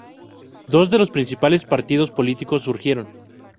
Dos de los principales partidos políticos surgieron.